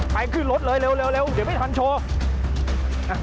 ไปขึ้นรถเลยเร็วเดี๋ยวไม่ทันโชว์